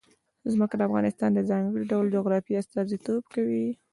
ځمکه د افغانستان د ځانګړي ډول جغرافیه استازیتوب کوي.